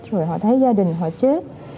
rồi họ thấy gia đình họ chết